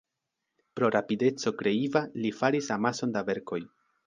Pro rapideco kreiva li faris amason da verkoj.